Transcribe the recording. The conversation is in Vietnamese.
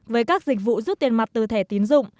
với các dịch vụ rút tiền mặt từ thẻ tiến dụng